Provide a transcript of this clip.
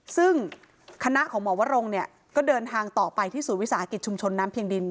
ซึ่งคณะของหมอวรงเนี่ยก็เดินทางต่อไปที่ศูนย์วิสาหกิจชุมชนน้ำเพียงดิน